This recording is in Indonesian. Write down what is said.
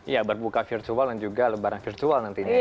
ya berbuka virtual dan juga lebaran virtual nantinya